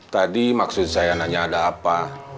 tadi maksud saya nanya ada apa